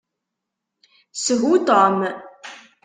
Shu Tom!